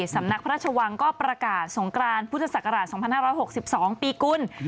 สำนักพระราชวังก็ประกาศสงกรานพุทธศักราช๒๕๖๒ปีกุล